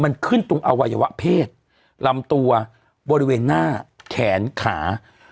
มันขึ้นตรงอวัยวะเพศลำตัวบริเวณหน้าแขนขา